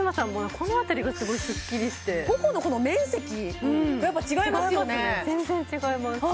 このあたりがすごいスッキリして頬の面積やっぱ違いますよね全然違います